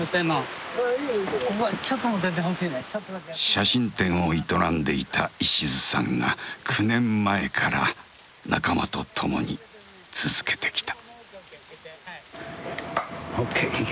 写真店を営んでいた石津さんが９年前から仲間と共に続けてきた。